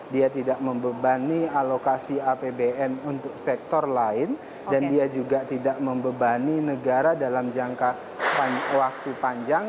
dia tidak membebani alokasi apbn untuk sektor lain dan dia juga tidak membebani negara dalam jangka waktu panjang